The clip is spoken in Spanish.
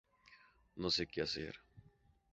No se que hacer